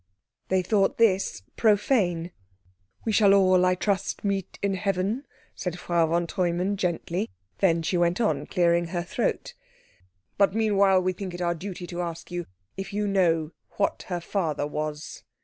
They thought this profane. "We shall all, I trust, meet in heaven," said Frau von Treumann gently. Then she went on, clearing her throat, "But meanwhile we think it our duty to ask you if you know what her father was."